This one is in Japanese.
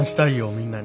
みんなに。